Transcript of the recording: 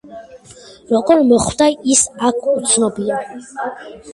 როგორ მოხვდა ის აქ, უცნობია.